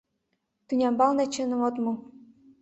Тӱнямбалне чыным от му.